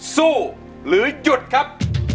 สู้หรือหยุดครับ